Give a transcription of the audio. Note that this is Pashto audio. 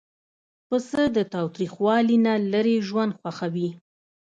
پسه د تاوتریخوالي نه لیرې ژوند خوښوي.